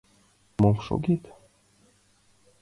Мом шогет?